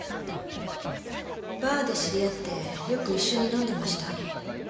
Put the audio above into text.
バーで知り合ってよく一緒に飲んでました。